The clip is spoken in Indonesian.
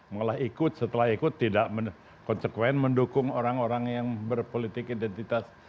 malah ikut setelah ikut tidak konsekuen mendukung orang orang yang berpolitik identitas